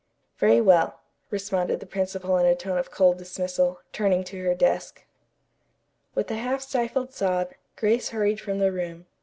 "Very well," responded the principal in a tone of cold dismissal, turning to her desk. With a half stifled sob, Grace hurried from the room.